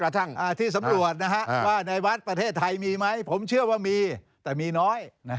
ที่สำรวจว่าในวัดประเทศไทยมีไหมผมเชื่อว่ามีแต่มีน้อย